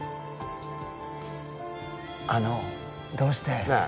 あのどうしてなあ